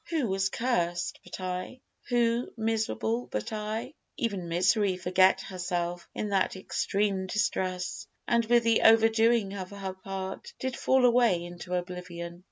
Who was cursed But I? who miserable but I? even Misery Forgot herself in that extreme distress, And with the overdoing of her part Did fall away into oblivion.